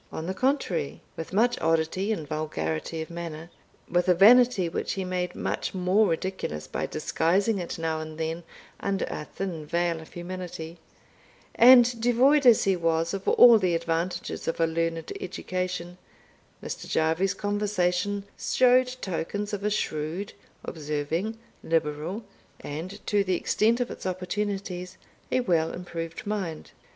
On the contrary, with much oddity and vulgarity of manner, with a vanity which he made much more ridiculous by disguising it now and then under a thin veil of humility, and devoid as he was of all the advantages of a learned education, Mr. Jarvie's conversation showed tokens of a shrewd, observing, liberal, and, to the extent of its opportunities, a well improved mind.